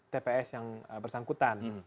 tps yang bersangkutan